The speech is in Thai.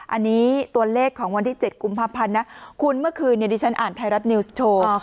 อันนี้ตัวเลขของวันที่๗กุมภาพันธ์นะคุณเมื่อคืนดิฉันอ่านไทยรัฐนิวส์โชว์